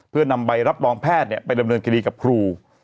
เพื่อนำใบรับรองแพทย์ไปดำเนินคดีกับครู